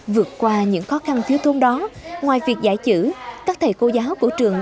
vượt qua những khó khăn thiếu thống đó ngoài việc giải chữ các thầy cô giáo của trường